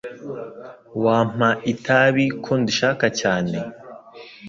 Wampa itabi ko ndishaka cyane?